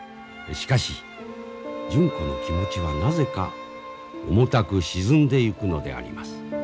しかし純子の気持ちはなぜか重たく沈んでいくのであります。